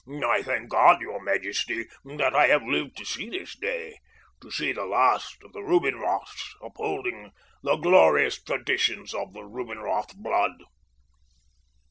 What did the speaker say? I thank God, your majesty, that I have lived to see this day—to see the last of the Rubinroths upholding the glorious traditions of the Rubinroth blood."